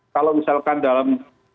kalau misalkan dalam